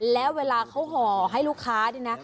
แล้วเวลาเขาห่อให้ลูกค้านี่นะ